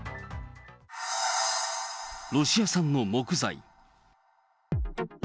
ロシア産の木材。